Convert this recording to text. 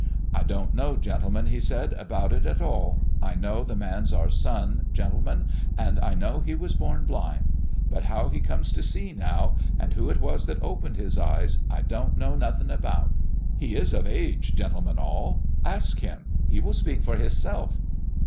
"I don't know, gentlemen," he said, "about it at all. I know the man's our son, gentlemen, and I know he was born blind. But how he comes to see now, and who it was that opened his eyes, I don't know nothing about. He is of age, gentlemen all; ask him. He will speak for hisself."